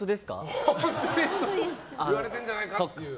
言われてるんじゃないかって。